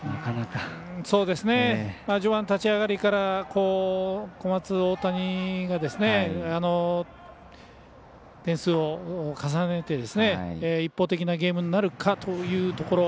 序盤立ち上がりから小松大谷が点数を重ねて一方的なゲームになるかというところ。